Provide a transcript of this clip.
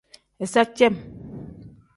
Iza cem.